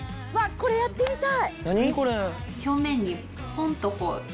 「これやってみたい！」